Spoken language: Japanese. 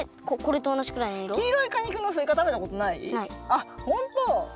あっほんとう！？